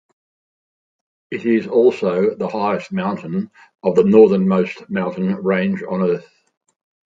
It is also the highest mountain of the northernmost mountain range on Earth.